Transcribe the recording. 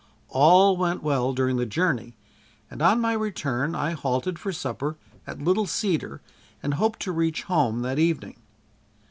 All went well during the journey, and on my return I halted for supper at Little Cedar and hoped to reach home that evening.